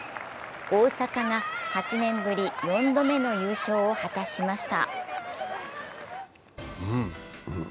大阪が８年ぶり４度目の優勝を果たしました。